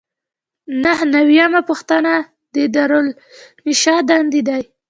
نهه نوي یمه پوښتنه د دارالانشا دندې دي.